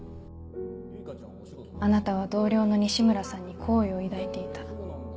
あなたは同僚の西村さんに好意を抱いていた。